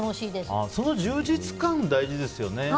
その充実感、大事ですね。